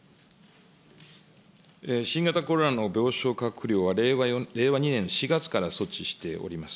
新型コロナの病床確保料は令和２年４月から措置しております。